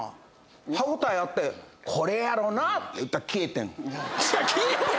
歯応えあってこれやろなって言ったら消えてんいや